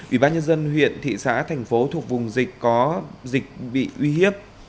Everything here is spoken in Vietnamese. ủy ban nhân dân huyện thị xã thành phố thuộc vùng dịch có dịch bị uy hiếp